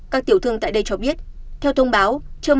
các tiểu thương tại đây cho biết theo thông báo